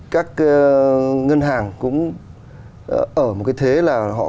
các ngân hàng cũng ở một cái thế là họ